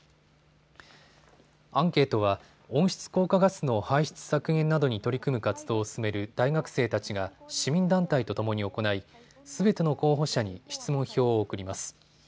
アンケートは温室効果ガスの排出削減などに取り組む活動を進める大学生たちが市民団体とともに行いすべての候補者に質問表を送ります。